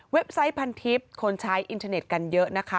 ไซต์พันทิพย์คนใช้อินเทอร์เน็ตกันเยอะนะคะ